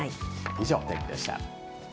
以上、お天気でした。